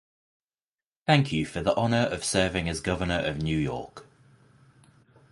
Thank you for the honor of serving as governor of New York.